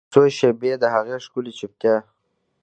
یوڅو شیبې د هغې ښکلې چوپتیا